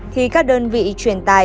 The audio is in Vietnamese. thì các đơn vị chuyển tài